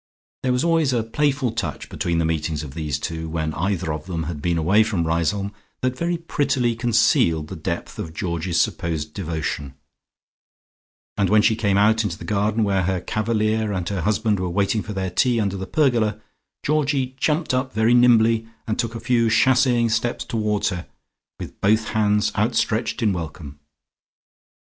There was always a playful touch between the meetings of these two when either of them had been away from Riseholme that very prettily concealed the depth of Georgie's supposed devotion, and when she came out into the garden where her Cavalier and her husband were waiting for their tea under the pergola, Georgie jumped up very nimbly and took a few chassee ing steps towards her with both hands outstretched in welcome.